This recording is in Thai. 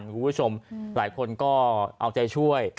คุณผู้ชมหลายคนก็เอาใจช่วย